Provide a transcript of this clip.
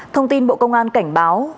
thông tin bộ công an cảnh báo